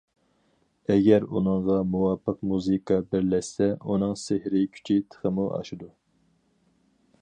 ئەگەر ئۇنىڭغا مۇۋاپىق مۇزىكا بىرلەشسە، ئۇنىڭ سېھرىي كۈچى تېخىمۇ ئاشىدۇ.